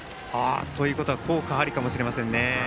ということは効果ありかもしれませんね。